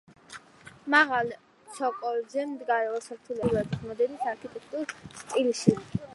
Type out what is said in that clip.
მაღალ ცოკოლზე მდგარი ორსართულიანი შენობა აგებულია ჩრდილოეთის მოდერნის არქიტექტურულ სტილში.